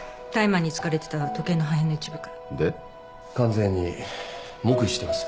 完全に黙秘してます。